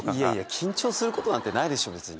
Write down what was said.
緊張することないでしょ別に。